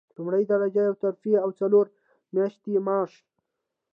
لومړۍ درجه یوه ترفیع او څلور میاشتې معاش.